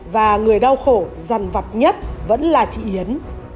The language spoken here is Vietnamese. và người đau khổ dằn vặt nhất vẫn là chị yến